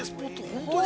本当に。